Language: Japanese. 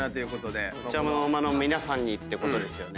お茶の間の皆さんにってことですよね。